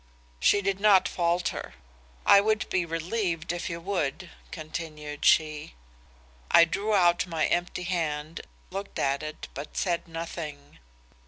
"She did not falter. 'I would be relieved if you would,' continued she. "I drew out my empty hand, looked at it, but said nothing.